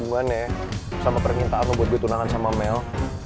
hubungannya sama permintaan gue buat tunangan sama mel